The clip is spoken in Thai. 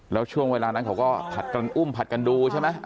แล้วช่วงเวลานั้นเขาก็ผัดกันอุ้มผัดกันดูใช่ไหม